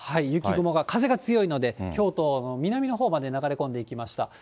雪雲が、風が強いので、京都の南のほうまで流れ込んでいきました。